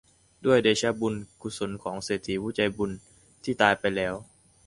ด้วยเดชะบุญกุศลของเศรษฐีผู้ใจบุญที่ตายไปแล้ว